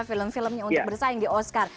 film filmnya untuk bersaing di oscar